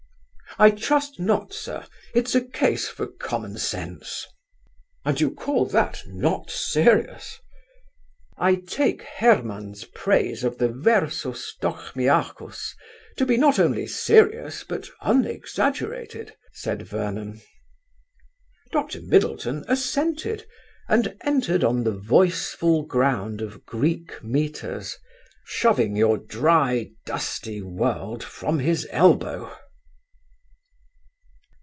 "I trust not, sir; it's a case for common sense." "And you call that not serious?" "I take Hermann's praise of the versus dochmiachus to be not only serious but unexaggerated," said Vernon. Dr. Middleton assented and entered on the voiceful ground of Greek metres, shoving your dry dusty world from his elbow.